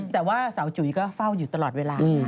แต่ว่าสาวจุ๋ยก็เฝ้าอยู่ตลอดเวลา